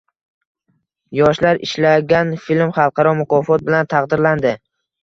Yoshlar ishlagan film xalqaro mukofot bilan taqdirlandi